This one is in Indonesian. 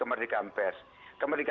kemerdekaan pers itu adalah hak asasi manusia